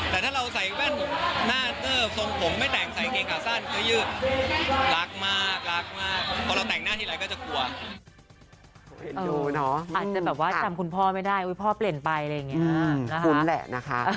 แต่ถ้าเราใส่แบนหน้าเติบทรงผมไม่แต่งใส่เคคาซั่นก็ยืดรักมากรักมาก